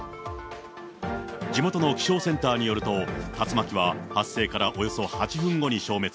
地元の気象センターによると、竜巻は発生からおよそ８分後に消滅。